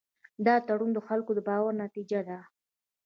دا تړون د خلکو د باور نتیجه ده.